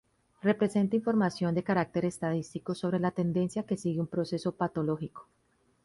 Representa información de carácter estadístico sobre la tendencia que sigue un proceso patológico.